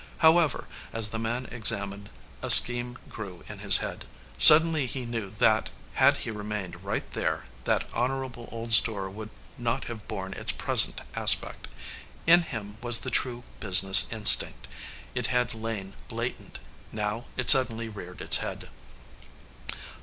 However, as the man examined, a scheme grew in his head. Suddenly he knew that, had he remained right there, that honorable old store would not have borne its present aspect. In him was the true business instinct. It had lain latent. Now it suddenly reared its head.